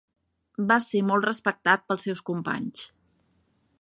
Va ser molt respectat pels seus companys.